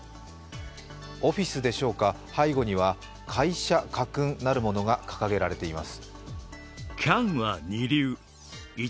オフィスでしょうか、背後には会社家訓なるものが掲げられています。